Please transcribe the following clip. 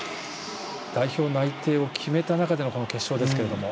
代表内定を決めた中でのこの決勝ですけれども。